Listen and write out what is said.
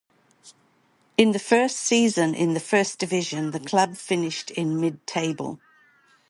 In the first season in the First Division the club finished in mid-table.